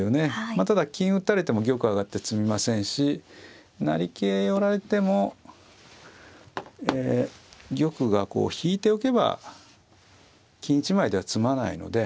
まあただ金打たれても玉上がって詰みませんし成桂寄られても玉がこう引いておけば金１枚では詰まないので。